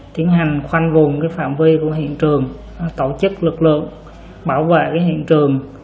tiến hành khoanh vùng phạm vi của hiện trường tổ chức lực lượng bảo vệ hiện trường